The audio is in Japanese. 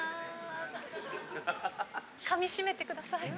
噛みしめてください。